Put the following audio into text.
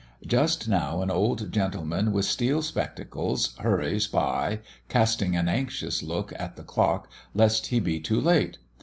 Just now an old gentleman, with steel spectacles, hurries by, casting an anxious look at the clock, lest he be too late.